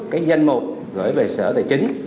cái danh một gửi về sở tài chính